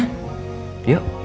mama sudah siapin masakannya